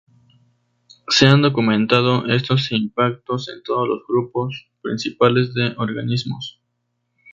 Se han documentado estos impactos en todos los grupos principales de organismos.